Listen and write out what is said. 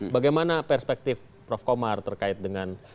bagaimana perspektif prof komar terkait dengan